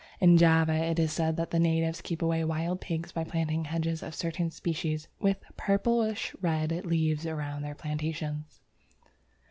In Java it is said that the natives keep away wild pigs by planting hedges of certain species with purplish red leaves around their plantations.